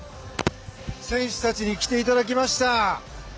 選手たちに来ていただきました。